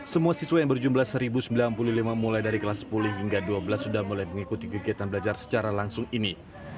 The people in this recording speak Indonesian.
semua siswa yang berjumlah satu sembilan puluh lima mulai dari kelas sepuluh hingga dua belas sudah mulai mengikuti kegiatan belajar secara langsung ini